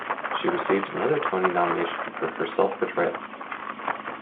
She received another Tony nomination for her self-portrayal.